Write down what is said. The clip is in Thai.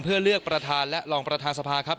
เพื่อเลือกประธานและรองประธานสภาครับ